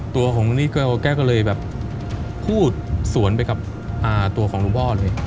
ตัวของลุงนิดก็แกก็เลยแบบพูดสวนไปกับอ่าตัวของลุงพ่อเลย